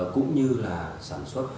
cũng như là sản xuất